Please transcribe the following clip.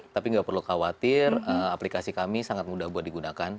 tapi nggak perlu khawatir aplikasi kami sangat mudah buat digunakan